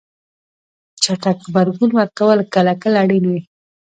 چټک غبرګون ورکول کله کله اړین وي.